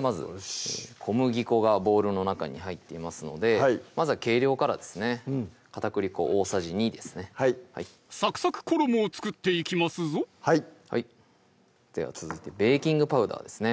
まず小麦粉がボウルの中に入っていますのでまずは計量からですね片栗粉大さじ２ですねサクサク衣を作っていきますぞはいでは続いてベーキングパウダーですね